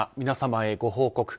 皆様へご報告。